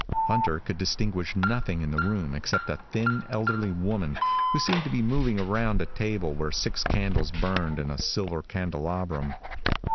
Hunter could distinguish nothing in the room except a thin, elderly woman who seemed to be moving around a table where six candles burned in a silver candelabrum.